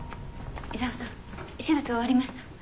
伊沢さん手術終わりました。